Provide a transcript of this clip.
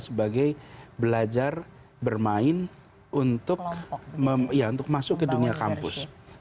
sebagai belajar bermain untuk masuk ke dunia kampus